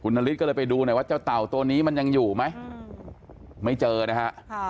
นฤทธิก็เลยไปดูหน่อยว่าเจ้าเต่าตัวนี้มันยังอยู่ไหมไม่เจอนะฮะ